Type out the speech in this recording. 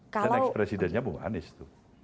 dan ekspresidennya bung anies itu